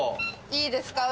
いいですか？